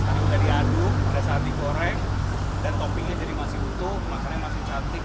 tadi sudah diaduk ada saat digoreng dan topingnya jadi masih utuh kemasannya masih cantik